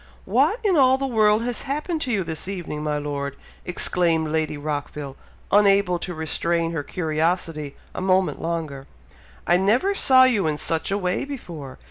"What in all the world has happened to you this evening, my Lord?" exclaimed Lady Rockville, unable to restrain her curiosity a moment longer. "I never saw you in such a way before!